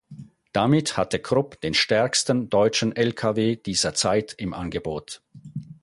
Damit hatte Krupp den stärksten deutschen Lkw dieser Zeit im Angebot.